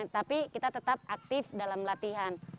tapi kita tetap aktif dalam latihan